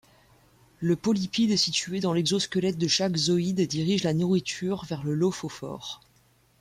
Le polypide situé dans l'exosquelette de chaque zoïde dirige la nourriture vers le lophophore.